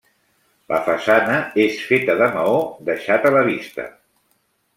La façana és feta de maó deixat a la vista.